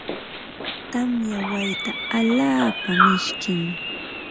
Tamya wayta allaapa mishkim.